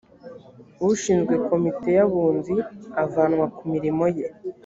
ushinzwe komite y abunzi avanwa ku mirimo ye